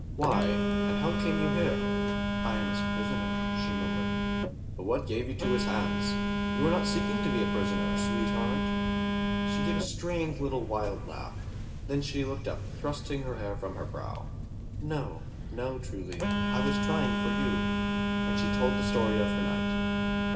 "Why, and how came you here?" "I am his prisoner," she murmured. "But what gave you to his hands? You were not seeking to be a prisoner, sweet heart?" She gave a strange little wild laugh. Then she looked up, thrusting the hair from her brow. "No, no truly. I was trying for you," and she told the story of her night.